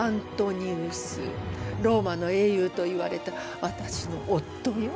ローマの英雄といわれた私の夫よ。